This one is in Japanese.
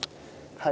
はい。